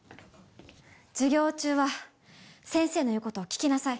授業中は先生の言うことを聞きなさい。